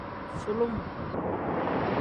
Sulum.